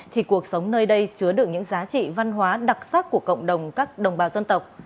thì cuộc sống nơi đây chứa được những giá trị văn hóa đặc sắc của cộng đồng các đồng bào dân tộc